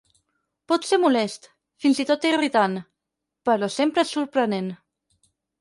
Pot ser molest, fins i tot irritant, però sempre és sorprenent.